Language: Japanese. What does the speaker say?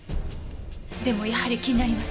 でもやはり気になります。